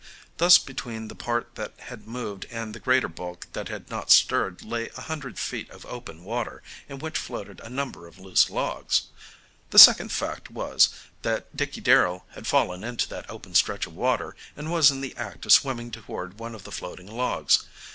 Thus between the part that had moved and the greater bulk that had not stirred lay a hundred feet of open water in which floated a number of loose logs. The second fact was, that Dickey Darrell had fallen into that open stretch of water and was in the act of swimming toward one of the floating logs.